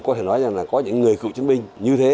có thể nói rằng là có những người cựu chiến binh như thế